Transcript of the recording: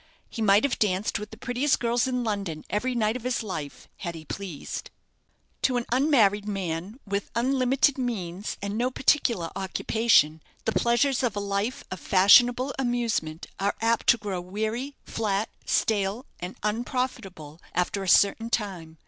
He might have danced with the prettiest girls in London every night of his life had he pleased. To an unmarried man, with unlimited means and no particular occupation, the pleasures of a life of fashionable amusement are apt to grow "weary, flat, stale, and unprofitable," after a certain time.